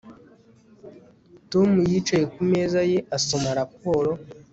Tom yicaye ku meza ye asoma raporo